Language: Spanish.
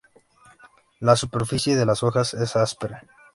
La superficie de las hojas es áspera.